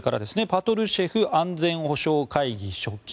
パトルシェフ安全保障会議書記。